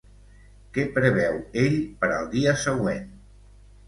Què preveu ell per al dia següent?